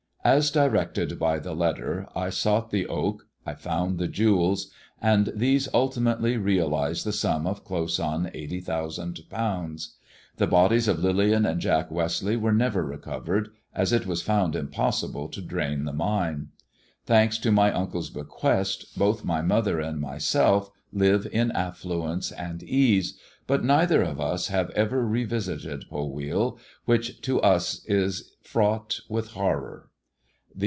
As directed by the letter I sought the oak, I found the jewels, and these ultimately realized the sum of close on eighty thousand pounds. The bodies of Lillian and Jack Westleigh were never recovered, as it was found impossible to drain the mine. Thanks to my uncle's bequest, both my mother and myself live in affluence and ease, but neither of us have ever revisited Polwheal, which to us is fraught with horror.